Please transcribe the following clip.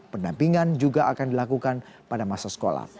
pendampingan juga akan dilakukan pada masa sekolah